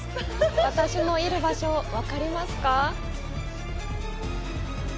私のいる場所、分かりますか？